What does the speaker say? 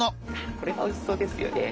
これがおいしそうですよね。